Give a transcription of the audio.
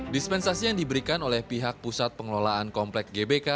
dispensasi yang diberikan oleh pihak pusat pengelolaan komplek gbk